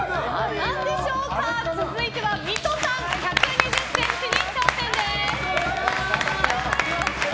続いては水戸さん１２０ｃｍに挑戦です！